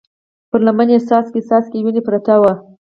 پر لمن يې څاڅکي څاڅکې وينه پرته وه.